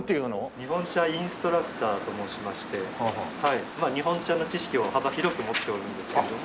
日本茶インストラクターと申しまして日本茶の知識を幅広く持っているんですけれども。